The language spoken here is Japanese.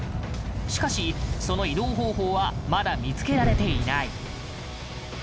しかし、その移動方法はまだ見つけられていない。